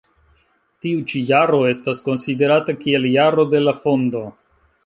Tiu ĉi jaro estas konsiderata kiel jaro de la fondo.